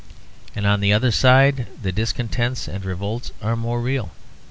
And on the other side the discontents and revolts are more real.